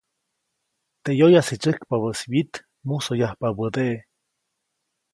Teʼ yoyase tysäjkpabäʼis wyit, musobyabädeʼe.